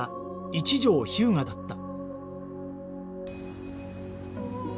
一条彪牙だった